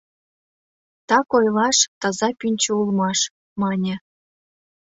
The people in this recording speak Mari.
— Так ойлаш, таза пӱнчӧ улмаш, — мане.